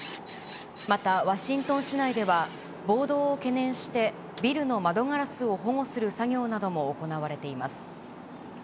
またワシントン市内では、暴動を懸念して、ビルの窓ガラスを保護する作業なども行われています。